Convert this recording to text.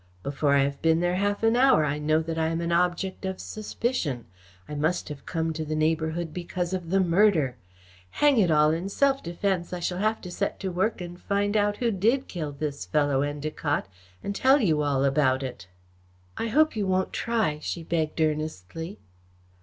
Before I have been there half an hour I know that I am an object of suspicion. I must have come to the neighbourhood because of the murder. Hang it all, in self defence I shall have to set to work and find out who did kill this fellow Endacott, and tell you all about it." "I hope you won't try," she begged earnestly.